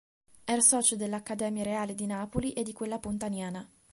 Era socio dell'Accademia reale di Napoli e di quella Pontaniana.